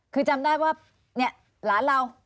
คือจำได้ว่าเนี่ยหลานเรา